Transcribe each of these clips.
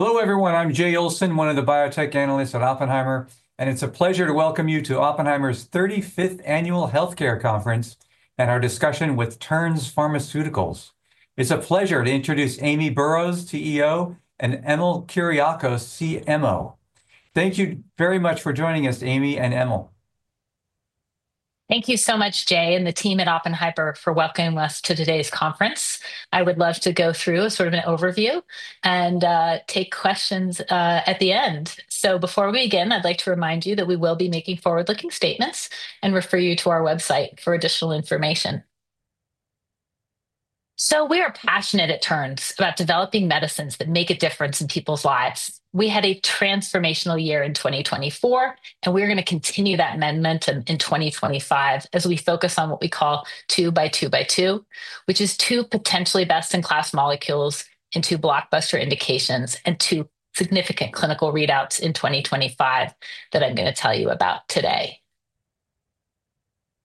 Hello, everyone. I'm Jay Olson, one of the biotech analysts at Oppenheimer, and it's a pleasure to welcome you to Oppenheimer's 35th Annual Healthcare Conference and our discussion with Terns Pharmaceuticals. It's a pleasure to introduce Amy Burroughs, CEO, and Emil Kuriakose, CMO. Thank you very much for joining us, Amy and Emil. Thank you so much, Jay and the team at Oppenheimer for welcoming us to today's conference. I would love to go through sort of an overview and take questions at the end. So before we begin, I'd like to remind you that we will be making forward-looking statements, and refer you to our website for additional information. So we are passionate at Terns about developing medicines that make a difference in people's lives. We had a transformational year in 2024, and we're going to continue that momentum in 2025 as we focus on what we call two by two by two, which is two potentially best-in-class molecules in two blockbuster indications and two significant clinical readouts in 2025 that I'm going to tell you about today.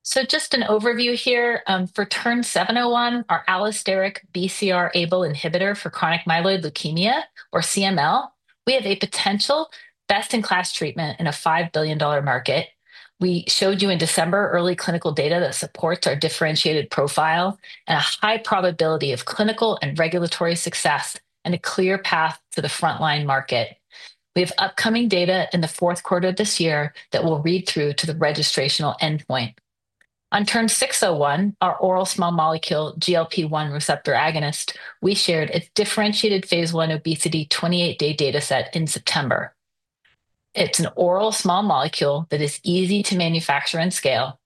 So just an overview here. For TERN-701, our allosteric BCR-ABL inhibitor for chronic myeloid leukemia, or CML, we have a potential best-in-class treatment in a $5 billion market. We showed you in December early clinical data that supports our differentiated profile and a high probability of clinical and regulatory success and a clear path to the frontline market. We have upcoming data in the fourth quarter of this year that we'll read through to the registrational endpoint. On TERN-601, our oral small molecule GLP-1 receptor agonist, we shared a differentiated phase I obesity 28-day data set in September. It's an oral small molecule that is easy to manufacture and scale,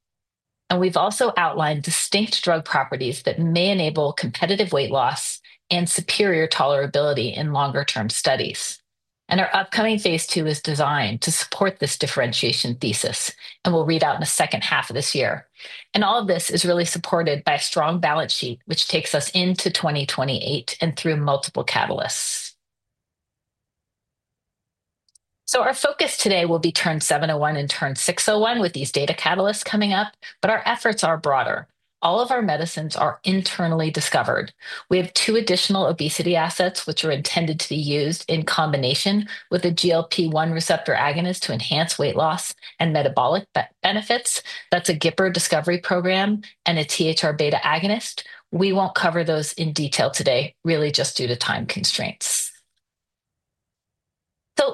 and we've also outlined distinct drug properties that may enable competitive weight loss and superior tolerability in longer-term studies, and our upcoming phase II is designed to support this differentiation thesis, and we'll read out in the second half of this year. All of this is really supported by a strong balance sheet, which takes us into 2028 and through multiple catalysts. Our focus today will be TERN-701 and TERN-601 with these data catalysts coming up, but our efforts are broader. All of our medicines are internally discovered. We have two additional obesity assets, which are intended to be used in combination with a GLP-1 receptor agonist to enhance weight loss and metabolic benefits. That's a GIPR discovery program and a THR-β agonist. We won't cover those in detail today, really just due to time constraints.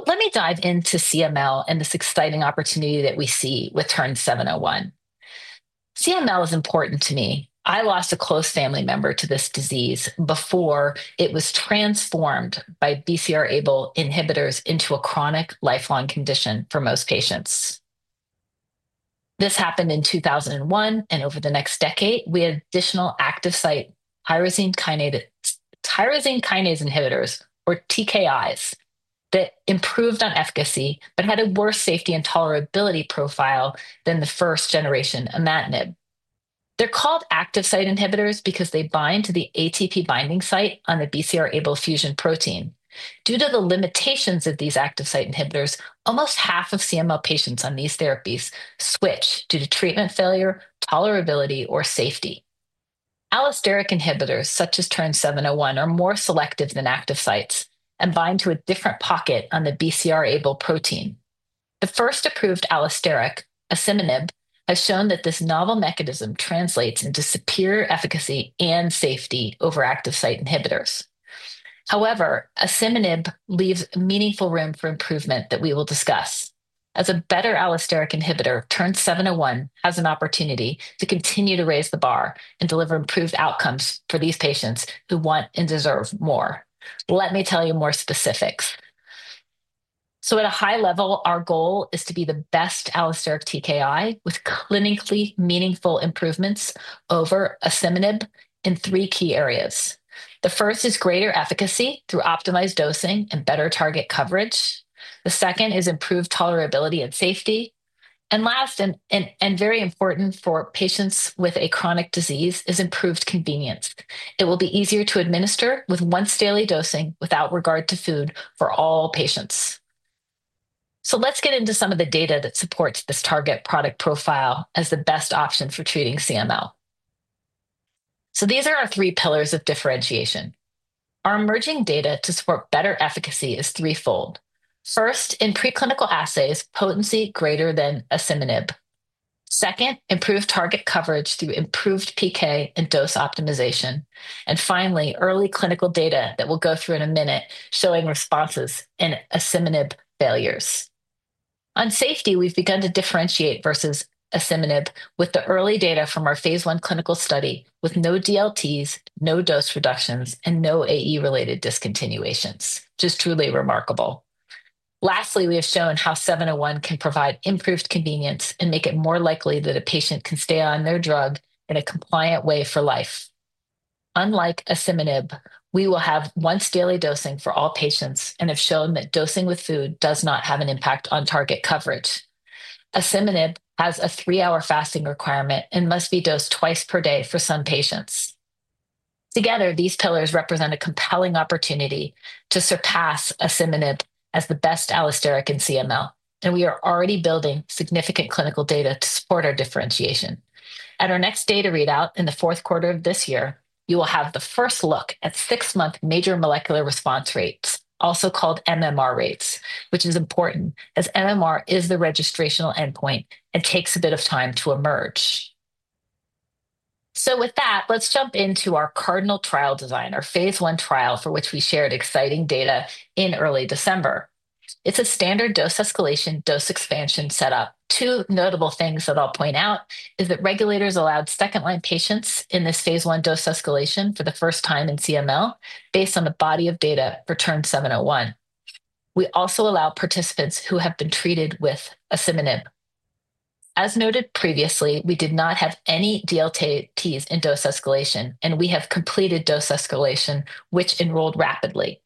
Let me dive into CML and this exciting opportunity that we see with TERN-701. CML is important to me. I lost a close family member to this disease before it was transformed by BCR-ABL inhibitors into a chronic lifelong condition for most patients. This happened in 2001, and over the next decade, we had additional active site tyrosine kinase inhibitors, or TKIs, that improved on efficacy but had a worse safety and tolerability profile than the first-generation imatinib. They're called active site inhibitors because they bind to the ATP-binding site on the BCR-ABL fusion protein. Due to the limitations of these active site inhibitors, almost half of CML patients on these therapies switch due to treatment failure, tolerability, or safety. Allosteric inhibitors such as TERN-701 are more selective than active sites and bind to a different pocket on the BCR-ABL protein. The first approved allosteric, asciminib, has shown that this novel mechanism translates into superior efficacy and safety over active site inhibitors. However, asciminib leaves meaningful room for improvement that we will discuss. As a better allosteric inhibitor, TERN-701 has an opportunity to continue to raise the bar and deliver improved outcomes for these patients who want and deserve more. Let me tell you more specifics. So at a high level, our goal is to be the best allosteric TKI with clinically meaningful improvements over asciminib in three key areas. The first is greater efficacy through optimized dosing and better target coverage. The second is improved tolerability and safety. And last, and very important for patients with a chronic disease, is improved convenience. It will be easier to administer with once-daily dosing without regard to food for all patients. So let's get into some of the data that supports this target product profile as the best option for treating CML. So these are our three pillars of differentiation. Our emerging data to support better efficacy is threefold. First, in preclinical assays, potency greater than asciminib. Second, improved target coverage through improved PK and dose optimization. And finally, early clinical data that we'll go through in a minute showing responses in asciminib failures. On safety, we've begun to differentiate versus asciminib with the early data from our phase I clinical study with no DLTs, no dose reductions, and no AE-related discontinuations, which is truly remarkable. Lastly, we have shown how 701 can provide improved convenience and make it more likely that a patient can stay on their drug in a compliant way for life. Unlike asciminib, we will have once-daily dosing for all patients and have shown that dosing with food does not have an impact on target coverage. asciminib has a three-hour fasting requirement and must be dosed twice per day for some patients. Together, these pillars represent a compelling opportunity to surpass asciminib as the best allosteric in CML, and we are already building significant clinical data to support our differentiation. At our next data readout in the fourth quarter of this year, you will have the first look at six-month major molecular response rates, also called MMR rates, which is important as MMR is the registrational endpoint and takes a bit of time to emerge. So with that, let's jump into our CARDINAL trial design, our phase I trial for which we shared exciting data in early December. It's a standard dose escalation dose expansion setup. Two notable things that I'll point out are that regulators allowed second-line patients in this phase I dose escalation for the first time in CML based on the body of data for TERN-701. We also allowed participants who have been treated with asciminib. As noted previously, we did not have any DLTs in dose escalation, and we have completed dose escalation, which enrolled rapidly.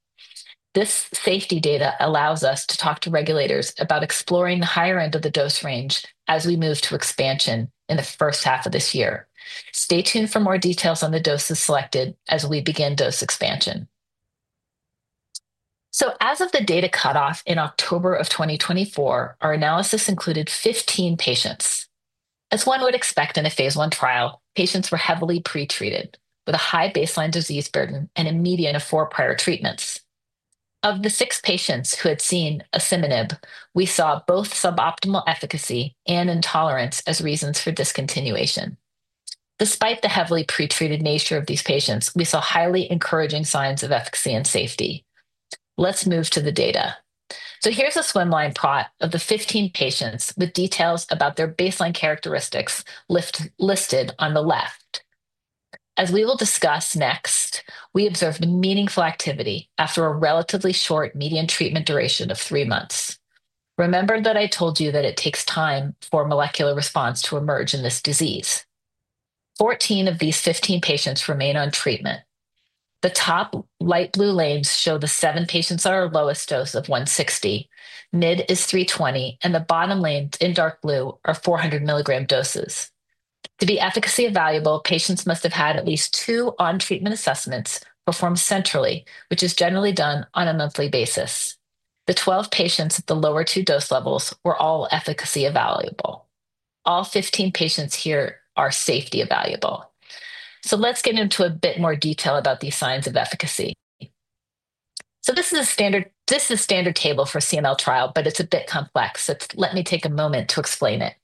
This safety data allows us to talk to regulators about exploring the higher end of the dose range as we move to expansion in the first half of this year. Stay tuned for more details on the doses selected as we begin dose expansion. So as of the data cutoff in October of 2024, our analysis included 15 patients. As one would expect in a phase I trial, patients were heavily pretreated with a high baseline disease burden and a median of four prior treatments. Of the six patients who had seen asciminib, we saw both suboptimal efficacy and intolerance as reasons for discontinuation. Despite the heavily pretreated nature of these patients, we saw highly encouraging signs of efficacy and safety. Let's move to the data. Here's a swimmer plot of the 15 patients with details about their baseline characteristics listed on the left. As we will discuss next, we observed meaningful activity after a relatively short median treatment duration of three months. Remember that I told you that it takes time for molecular response to emerge in this disease. 14 of these 15 patients remain on treatment. The top light blue lanes show the seven patients on our lowest dose of 160 mg. Mid is 320 mg, and the bottom lanes in dark blue are 400 mg doses. To be efficacy evaluable, patients must have had at least two on-treatment assessments performed centrally, which is generally done on a monthly basis. The 12 patients at the lower two dose levels were all efficacy evaluable. All 15 patients here are safety evaluable. Let's get into a bit more detail about these signs of efficacy. So this is a standard table for a CML trial, but it's a bit complex. Let me take a moment to explain it.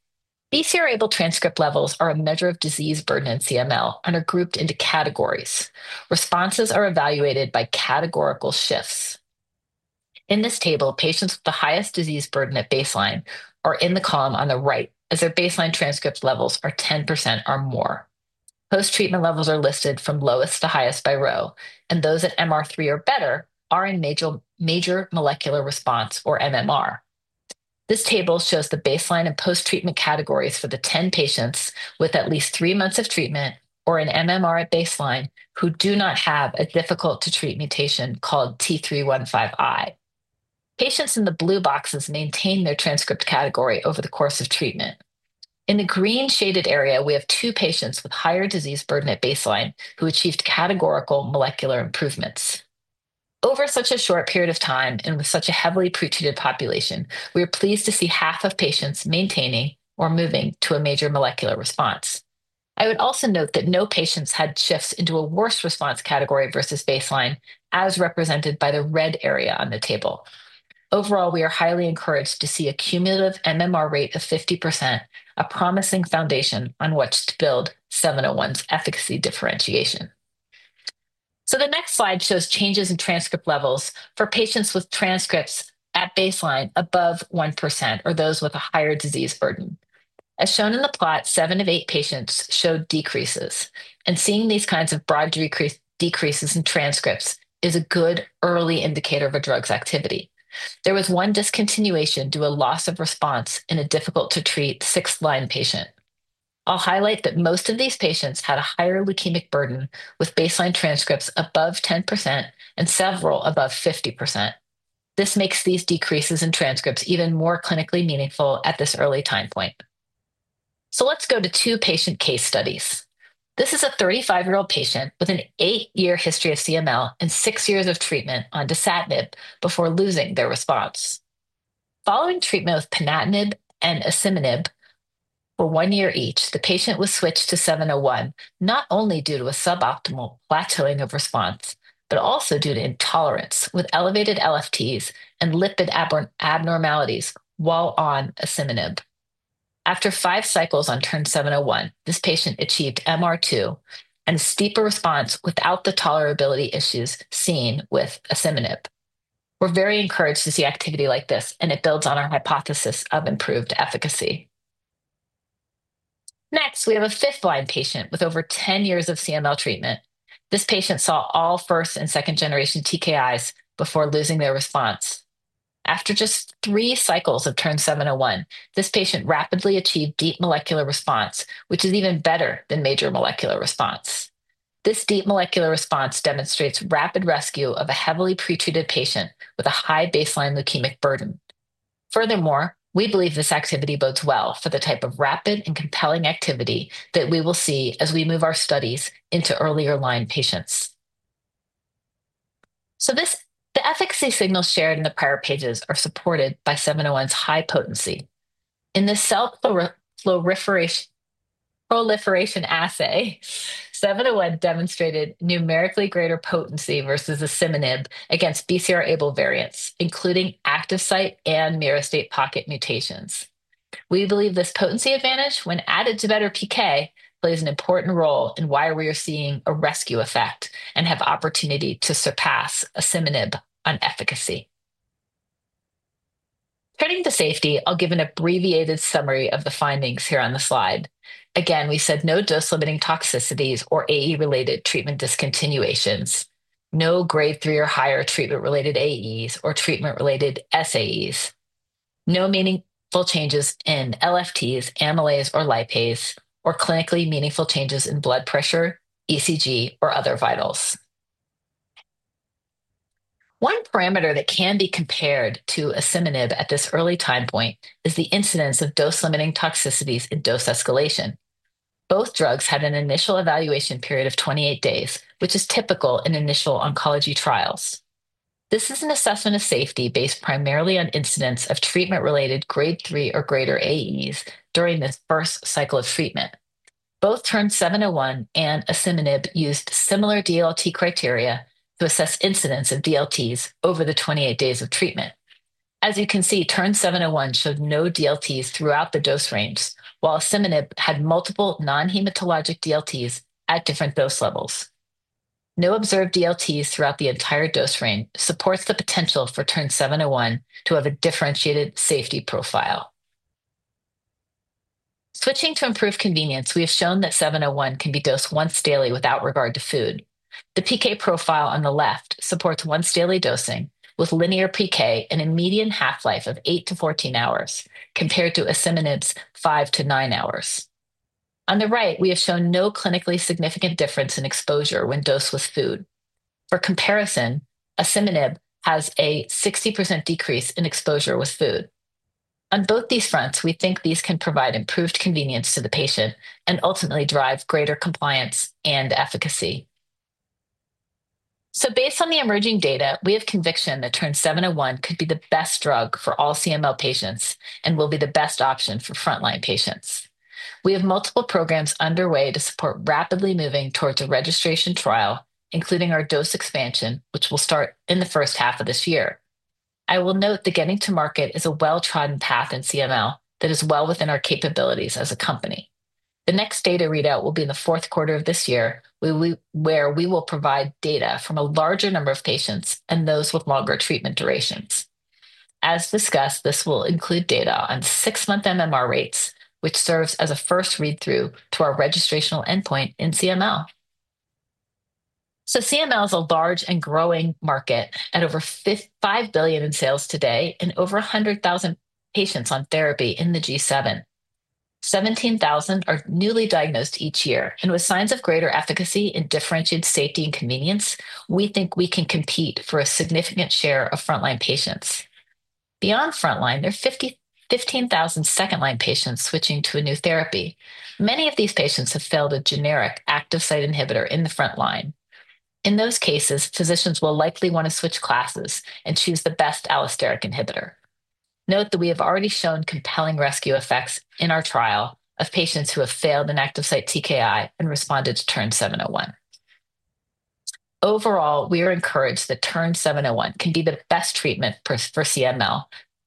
BCR-ABL transcript levels are a measure of disease burden in CML and are grouped into categories. Responses are evaluated by categorical shifts. In this table, patients with the highest disease burden at baseline are in the column on the right as their baseline transcript levels are 10% or more. Post-treatment levels are listed from lowest to highest by row, and those at MR3 or better are in major molecular response or MMR. This table shows the baseline and post-treatment categories for the 10 patients with at least three months of treatment or an MMR at baseline who do not have a difficult-to-treat mutation called T315I. Patients in the blue boxes maintain their transcript category over the course of treatment. In the green shaded area, we have two patients with higher disease burden at baseline who achieved categorical molecular improvements. Over such a short period of time and with such a heavily pretreated population, we are pleased to see half of patients maintaining or moving to a major molecular response. I would also note that no patients had shifts into a worse response category versus baseline, as represented by the red area on the table. Overall, we are highly encouraged to see a cumulative MMR rate of 50%, a promising foundation on which to build 701's efficacy differentiation. So the next slide shows changes in transcript levels for patients with transcripts at baseline above 1% or those with a higher disease burden. As shown in the plot, seven of eight patients showed decreases, and seeing these kinds of broad decreases in transcripts is a good early indicator of a drug's activity. There was one discontinuation due to a loss of response in a difficult-to-treat sixth-line patient. I'll highlight that most of these patients had a higher leukemic burden with baseline transcripts above 10% and several above 50%. This makes these decreases in transcripts even more clinically meaningful at this early time point. So let's go to two patient case studies. This is a 35-year-old patient with an eight-year history of CML and six years of treatment on dasatinib before losing their response. Following treatment with ponatinib and asciminib for one year each, the patient was switched to 701 not only due to a suboptimal plateauing of response, but also due to intolerance with elevated LFTs and lipid abnormalities while on asciminib. After five cycles on TERN-701, this patient achieved MR2 and a steeper response without the tolerability issues seen with asciminib. We're very encouraged to see activity like this, and it builds on our hypothesis of improved efficacy. Next, we have a fifth-line patient with over 10 years of CML treatment. This patient saw all first and second-generation TKIs before losing their response. After just three cycles of TERN-701, this patient rapidly achieved deep molecular response, which is even better than major molecular response. This deep molecular response demonstrates rapid rescue of a heavily pretreated patient with a high baseline leukemic burden. Furthermore, we believe this activity bodes well for the type of rapid and compelling activity that we will see as we move our studies into earlier line patients. So the efficacy signals shared in the prior pages are supported by 701's high potency. In this cell proliferation assay, 701 demonstrated numerically greater potency versus asciminib against BCR-ABL variants, including active site and myristate pocket mutations. We believe this potency advantage, when added to better PK, plays an important role in why we are seeing a rescue effect and have opportunity to surpass asciminib on efficacy. Turning to safety, I'll give an abbreviated summary of the findings here on the slide. Again, we said no dose-limiting toxicities or AE-related treatment discontinuations, no grade three or higher treatment-related AEs or treatment-related SAEs, no meaningful changes in LFTs, amylase, or lipase, or clinically meaningful changes in blood pressure, ECG, or other vitals. One parameter that can be compared to asciminib at this early time point is the incidence of dose-limiting toxicities in dose escalation. Both drugs had an initial evaluation period of 28 days, which is typical in initial oncology trials. This is an assessment of safety based primarily on incidence of treatment-related grade three or greater AEs during the first cycle of treatment. Both TERN-701 and asciminib used similar DLT criteria to assess incidence of DLTs over the 28 days of treatment. As you can see, TERN-701 showed no DLTs throughout the dose range, while asciminib had multiple non-hematologic DLTs at different dose levels. No observed DLTs throughout the entire dose range supports the potential for TERN-701 to have a differentiated safety profile. Switching to improved convenience, we have shown that 701 can be dosed once daily without regard to food. The PK profile on the left supports once daily dosing with linear PK and a median half-life of eight to 14 hours compared to asciminib's five to nine hours. On the right, we have shown no clinically significant difference in exposure when dosed with food. For comparison, asciminib has a 60% decrease in exposure with food. On both these fronts, we think these can provide improved convenience to the patient and ultimately drive greater compliance and efficacy. So based on the emerging data, we have conviction that TERN-701 could be the best drug for all CML patients and will be the best option for frontline patients. We have multiple programs underway to support rapidly moving towards a registration trial, including our dose expansion, which will start in the first half of this year. I will note that getting to market is a well-trodden path in CML that is well within our capabilities as a company. The next data readout will be in the fourth quarter of this year, where we will provide data from a larger number of patients and those with longer treatment durations. As discussed, this will include data on six-month MMR rates, which serves as a first read-through to our registrational endpoint in CML, so CML is a large and growing market at over $5 billion in sales today and over 100,000 patients on therapy in the G7. 17,000 are newly diagnosed each year, and with signs of greater efficacy and differentiated safety and convenience, we think we can compete for a significant share of frontline patients. Beyond frontline, there are 15,000 second-line patients switching to a new therapy. Many of these patients have failed a generic active site inhibitor in the frontline. In those cases, physicians will likely want to switch classes and choose the best allosteric inhibitor. Note that we have already shown compelling rescue effects in our trial of patients who have failed an active site TKI and responded to TERN-701. Overall, we are encouraged that TERN-701 can be the best treatment for CML,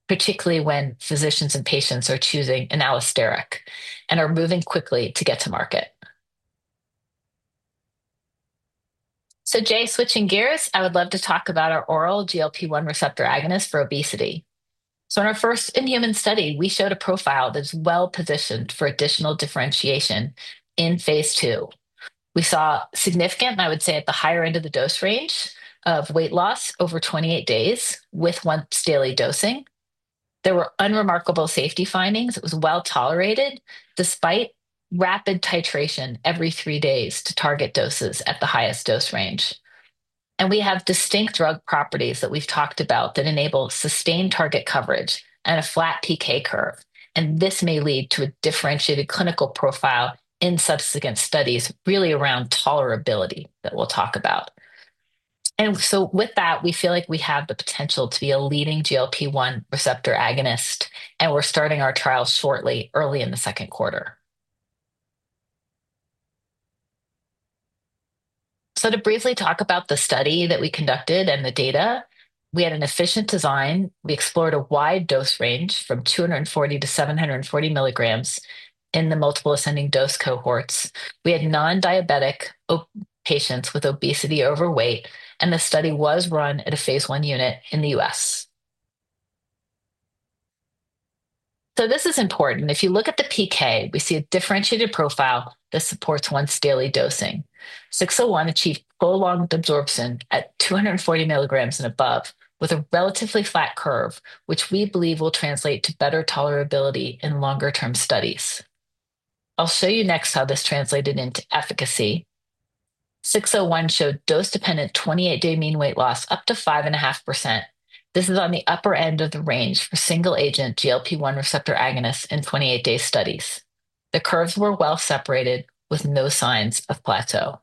particularly when physicians and patients are choosing an allosteric and are moving quickly to get to market. So Jay, switching gears, I would love to talk about our oral GLP-1 receptor agonist for obesity. So in our first-in-human study, we showed a profile that's well-positioned for additional differentiation in phase II. We saw significant, and I would say at the higher end of the dose range, of weight loss over 28 days with once daily dosing. There were unremarkable safety findings. It was well tolerated despite rapid titration every three days to target doses at the highest dose range. And we have distinct drug properties that we've talked about that enable sustained target coverage and a flat PK curve. This may lead to a differentiated clinical profile in subsequent studies, really around tolerability that we'll talk about. With that, we feel like we have the potential to be a leading GLP-1 receptor agonist, and we're starting our trial shortly, early in the second quarter. To briefly talk about the study that we conducted and the data, we had an efficient design. We explored a wide dose range from 240 mg-740 mg in the multiple ascending dose cohorts. We had non-diabetic patients with obesity or overweight, and the study was run at a phase I unit in the U.S. This is important. If you look at the PK, we see a differentiated profile that supports once daily dosing. 601 achieved full absorption at 240 mg and above with a relatively flat curve, which we believe will translate to better tolerability in longer-term studies. I'll show you next how this translated into efficacy. 601 showed dose-dependent 28-day mean weight loss up to 5.5%. This is on the upper end of the range for single-agent GLP-1 receptor agonists in 28-day studies. The curves were well separated with no signs of plateau.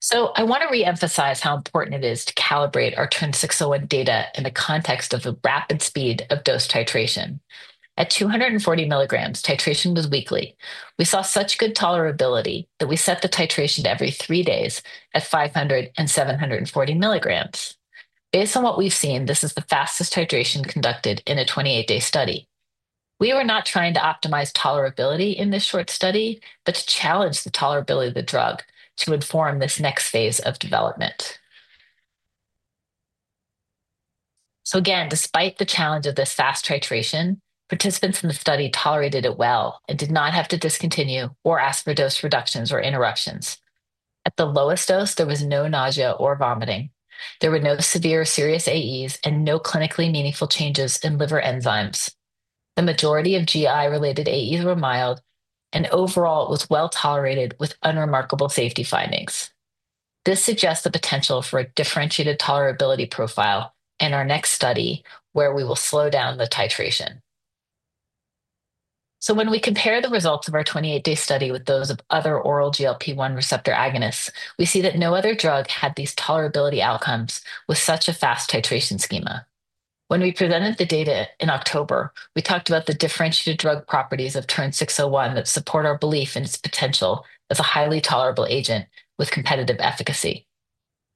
So I want to reemphasize how important it is to calibrate our TERN-601 data in the context of the rapid speed of dose titration. At 240 mg, titration was weekly. We saw such good tolerability that we set the titration to every three days at 500 mg and 740 mg. Based on what we've seen, this is the fastest titration conducted in a 28-day study. We were not trying to optimize tolerability in this short study, but to challenge the tolerability of the drug to inform this next phase of development. So again, despite the challenge of this fast titration, participants in the study tolerated it well and did not have to discontinue or ask for dose reductions or interruptions. At the lowest dose, there was no nausea or vomiting. There were no severe or serious AEs and no clinically meaningful changes in liver enzymes. The majority of GI-related AEs were mild, and overall, it was well-tolerated with unremarkable safety findings. This suggests the potential for a differentiated tolerability profile in our next study where we will slow down the titration. So when we compare the results of our 28-day study with those of other oral GLP-1 receptor agonists, we see that no other drug had these tolerability outcomes with such a fast titration schema. When we presented the data in October, we talked about the differentiated drug properties of TERN-601 that support our belief in its potential as a highly tolerable agent with competitive efficacy.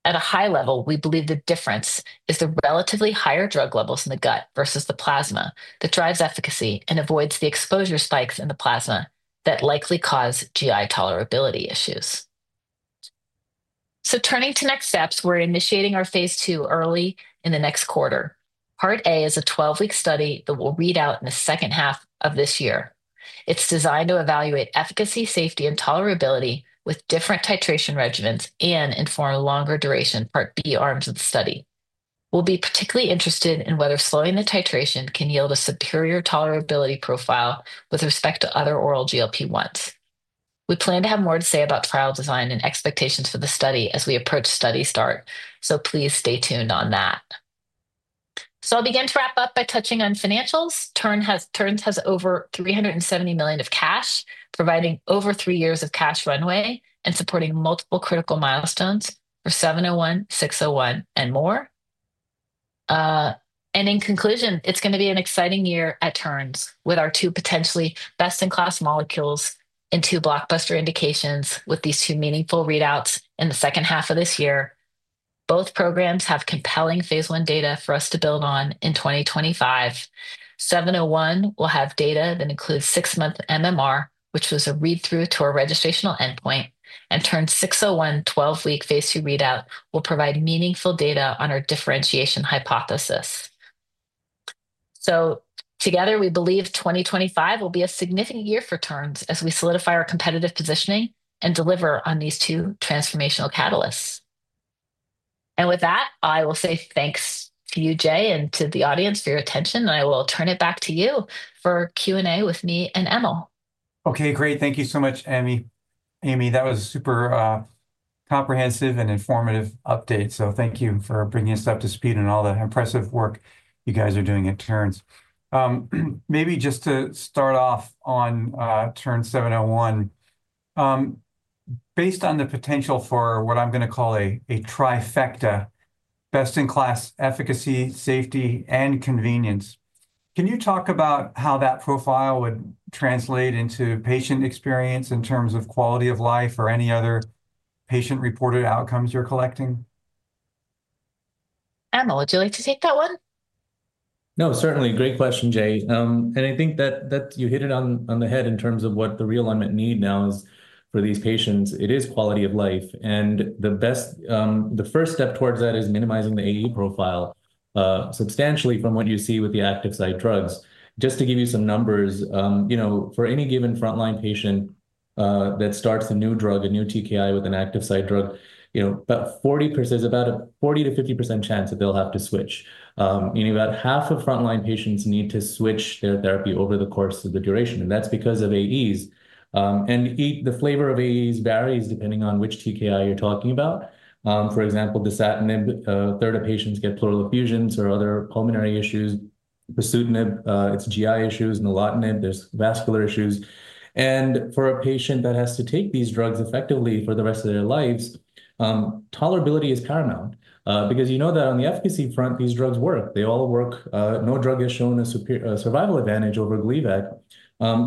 At a high level, we believe the difference is the relatively higher drug levels in the gut versus the plasma that drives efficacy and avoids the exposure spikes in the plasma that likely cause GI tolerability issues, so turning to next steps, we're initiating our phase II early in the next quarter. Part A is a 12-week study that we'll read out in the second half of this year. It's designed to evaluate efficacy, safety, and tolerability with different titration regimens and inform a longer duration Part B arms of the study. We'll be particularly interested in whether slowing the titration can yield a superior tolerability profile with respect to other oral GLP-1s. We plan to have more to say about trial design and expectations for the study as we approach study start, so please stay tuned on that. So I'll begin to wrap up by touching on financials. Terns has over $370 million of cash, providing over three years of cash runway and supporting multiple critical milestones for 701, 601, and more. And in conclusion, it's going to be an exciting year at Terns with our two potentially best-in-class molecules and two blockbuster indications with these two meaningful readouts in the second half of this year. Both programs have compelling phase I data for us to build on in 2025. 701 will have data that includes six-month MMR, which was a read-through to our registrational endpoint, and TERN-601 12-week phase II readout will provide meaningful data on our differentiation hypothesis. So together, we believe 2025 will be a significant year for Terns as we solidify our competitive positioning and deliver on these two transformational catalysts. And with that, I will say thanks to you, Jay, and to the audience for your attention, and I will turn it back to you for Q&A with me and Emil. Okay, great. Thank you so much, Amy. Amy, that was a super comprehensive and informative update. So thank you for bringing us up to speed on all the impressive work you guys are doing at Terns. Maybe just to start off on TERN-701, based on the potential for what I'm going to call a trifecta: best-in-class efficacy, safety, and convenience, can you talk about how that profile would translate into patient experience in terms of quality of life or any other patient-reported outcomes you're collecting? Emil, would you like to take that one? No, certainly. Great question, Jay. And I think that you hit it on the head in terms of what the realignment need now is for these patients. It is quality of life. And the first step towards that is minimizing the AE profile substantially from what you see with the active site drugs. Just to give you some numbers, for any given frontline patient that starts a new drug, a new TKI with an active site drug, about 40% is about a 40%-50% chance that they'll have to switch. About half of frontline patients need to switch their therapy over the course of the duration. And that's because of AEs. And the flavor of AEs varies depending on which TKI you're talking about. For example, dasatinib, a third of patients get pleural effusions or other pulmonary issues. Bosutinib, it's GI issues. Nilotinib, there's vascular issues. For a patient that has to take these drugs effectively for the rest of their lives, tolerability is paramount because you know that on the efficacy front, these drugs work. They all work. No drug has shown a survival advantage over Gleevec.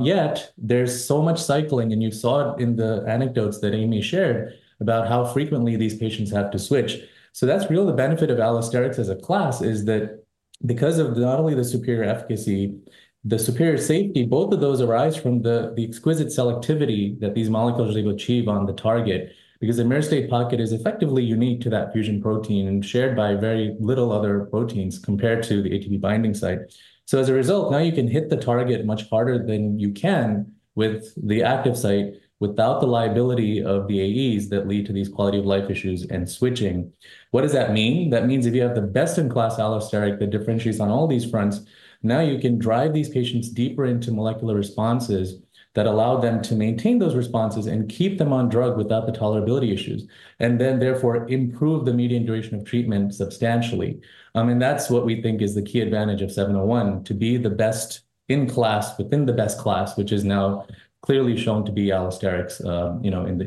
Yet there's so much cycling, and you saw it in the anecdotes that Amy shared about how frequently these patients have to switch. So that's really the benefit of allosterics as a class is that because of not only the superior efficacy, the superior safety, both of those arise from the exquisite selectivity that these molecules are able to achieve on the target because the myristate pocket is effectively unique to that fusion protein and shared by very little other proteins compared to the ATP-binding site. So as a result, now you can hit the target much harder than you can with the active site without the liability of the AEs that lead to these quality of life issues and switching. What does that mean? That means if you have the best-in-class allosteric that differentiates on all these fronts, now you can drive these patients deeper into molecular responses that allow them to maintain those responses and keep them on drug without the tolerability issues, and then therefore improve the median duration of treatment substantially. And that's what we think is the key advantage of 701, to be the best in class within the best class, which is now clearly shown to be allosterics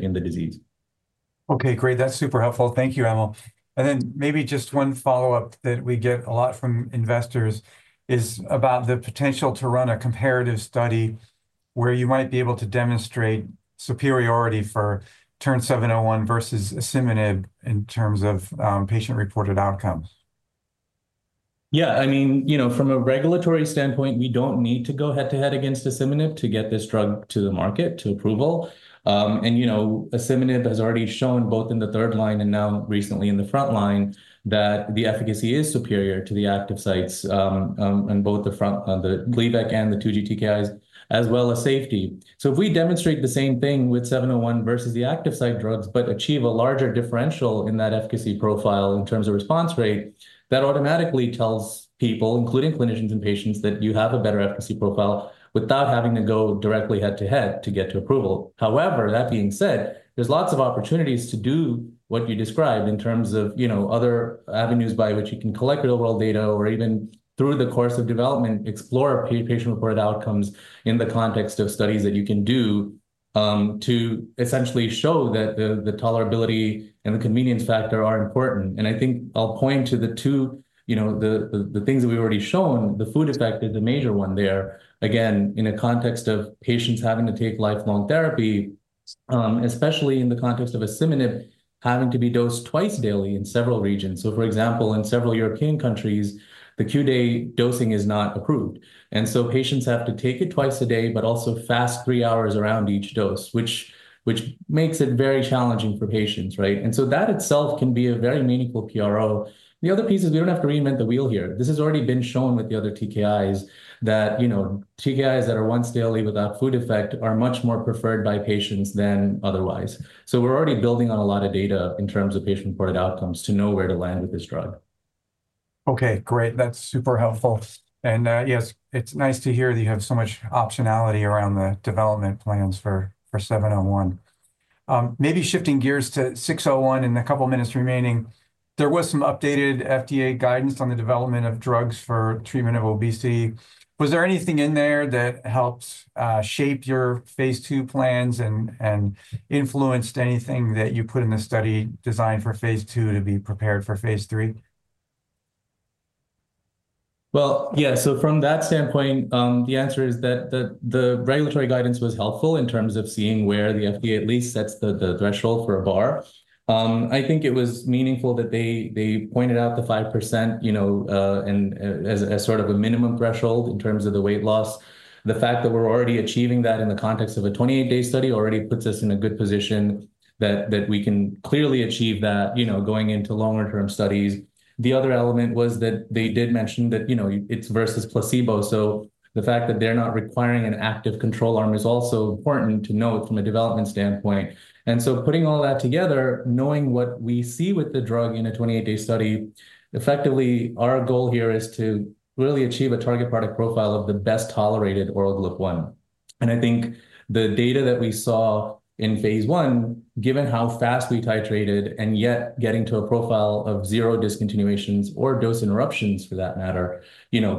in the disease. Okay, great. That's super helpful. Thank you, Emil. Then maybe just one follow-up that we get a lot from investors is about the potential to run a comparative study where you might be able to demonstrate superiority for TERN-701 versus asciminib in terms of patient-reported outcomes. Yeah, I mean, you know from a regulatory standpoint, we don't need to go head-to-head against asciminib to get this drug to the market to approval. And asciminib has already shown both in the third line and now recently in the frontline that the efficacy is superior to the active sites on both the Gleevec and the 2G-TKIs, as well as safety. So if we demonstrate the same thing with 701 versus the active site drugs, but achieve a larger differential in that efficacy profile in terms of response rate, that automatically tells people, including clinicians and patients, that you have a better efficacy profile without having to go directly head-to-head to get to approval. However, that being said, there's lots of opportunities to do what you described in terms of other avenues by which you can collect real-world data or even through the course of development, explore patient-reported outcomes in the context of studies that you can do to essentially show that the tolerability and the convenience factor are important. And I think I'll point to the two things that we've already shown. The food effect is the major one there. Again, in a context of patients having to take lifelong therapy, especially in the context of asciminib having to be dosed twice daily in several regions. So for example, in several European countries, the QD dosing is not approved. And so patients have to take it twice a day, but also fast three hours around each dose, which makes it very challenging for patients, right? And so that itself can be a very meaningful PRO. The other piece is we don't have to reinvent the wheel here. This has already been shown with the other TKIs that TKIs that are once daily without food effect are much more preferred by patients than otherwise. So we're already building on a lot of data in terms of patient-reported outcomes to know where to land with this drug. Okay, great. That's super helpful. Yes, it's nice to hear that you have so much optionality around the development plans for 701. Maybe shifting gears to 601 in the couple of minutes remaining. There was some updated FDA guidance on the development of drugs for treatment of obesity. Was there anything in there that helped shape your phase II plans and influenced anything that you put in the study designed for phase II to be prepared for phase III? Well, yeah, so from that standpoint, the answer is that the regulatory guidance was helpful in terms of seeing where the FDA at least sets the threshold for a bar. I think it was meaningful that they pointed out the 5% as sort of a minimum threshold in terms of the weight loss. The fact that we're already achieving that in the context of a 28-day study already puts us in a good position that we can clearly achieve that going into longer-term studies. The other element was that they did mention that it's versus placebo. So the fact that they're not requiring an active control arm is also important to note from a development standpoint. And so putting all that together, knowing what we see with the drug in a 28-day study, effectively, our goal here is to really achieve a target product profile of the best tolerated oral GLP-1. And I think the data that we saw in phase I, given how fast we titrated and yet getting to a profile of zero discontinuations or dose interruptions for that matter,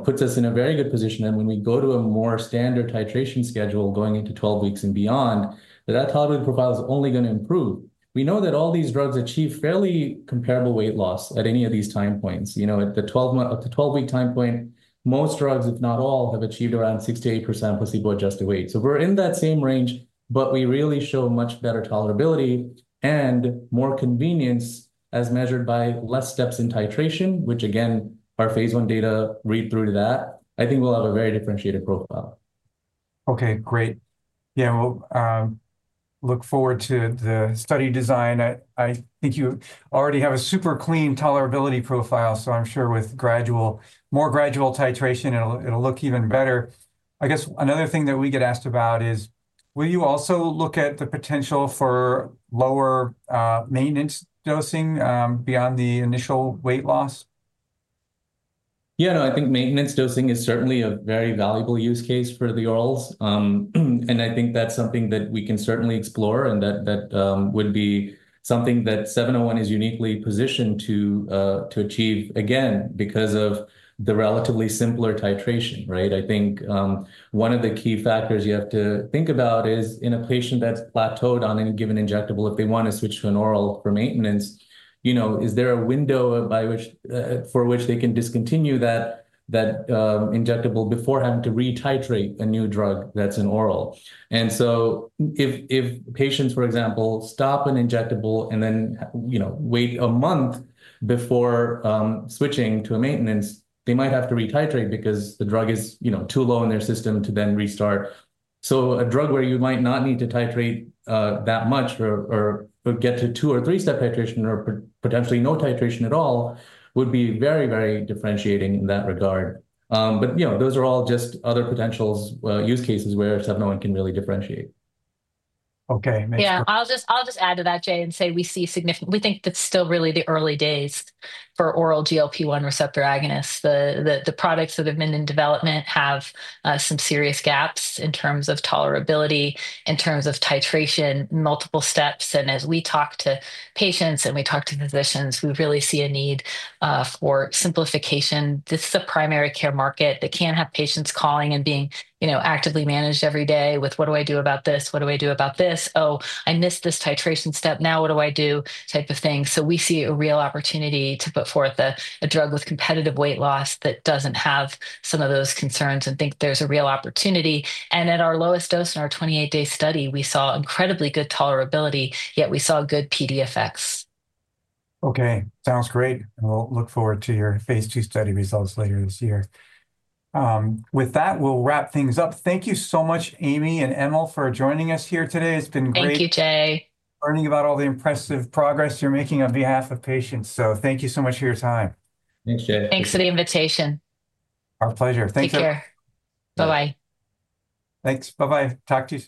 puts us in a very good position. And when we go to a more standard titration schedule going into 12 weeks and beyond, that tolerability profile is only going to improve. We know that all these drugs achieve fairly comparable weight loss at any of these time points. At the 12-week time point, most drugs, if not all, have achieved around 6%-8% placebo-adjusted weight. So we're in that same range, but we really show much better tolerability and more convenience as measured by less steps in titration, which, again, our phase I data read through to that. I think we'll have a very differentiated profile. Okay, great. Yeah, we'll look forward to the study design. I think you already have a super clean tolerability profile, so I'm sure with more gradual titration, it'll look even better. I guess another thing that we get asked about is, will you also look at the potential for lower maintenance dosing beyond the initial weight loss? Yeah, no, I think maintenance dosing is certainly a very valuable use case for the orals. And I think that's something that we can certainly explore, and that would be something that 701 is uniquely-positioned to achieve, again, because of the relatively simpler titration, right? I think one of the key factors you have to think about is in a patient that's plateaued on any given injectable, if they want to switch to an oral for maintenance, is there a window for which they can discontinue that injectable before having to retitrate a new drug that's an oral? And so if patients, for example, stop an injectable and then wait a month before switching to a maintenance, they might have to retitrate because the drug is too low in their system to then restart. So a drug where you might not need to titrate that much or get to two or three-step titration or potentially no titration at all would be very, very differentiating in that regard. But those are all just other potential use cases where 701 can really differentiate. Okay, makes sense. Yeah, I'll just add to that, Jay, and say we see significant we think that's still really the early days for oral GLP-1 receptor agonists. The products that have been in development have some serious gaps in terms of tolerability, in terms of titration, multiple steps. And as we talk to patients and we talk to physicians, we really see a need for simplification. This is a primary care market that can't have patients calling and being actively managed every day with, "What do I do about this? What do I do about this? Oh, I missed this titration step. Now, what do I do?" type of thing. So we see a real opportunity to put forth a drug with competitive weight loss that doesn't have some of those concerns and think there's a real opportunity. And at our lowest dose in our 28-day study, we saw incredibly good tolerability, yet we saw good PD effects. Okay, sounds great. We'll look forward to your phase II study results later this year. With that, we'll wrap things up. Thank you so much, Amy and Emil, for joining us here today. It's been great. Thank you, Jay. Learning about all the impressive progress you're making on behalf of patients. So thank you so much for your time. Thanks, Jay. Thanks for the invitation. Our pleasure. Thank you. Take care. Bye-bye. Thanks. Bye-bye. Talk to you.